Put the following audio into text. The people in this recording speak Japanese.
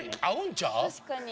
確かに。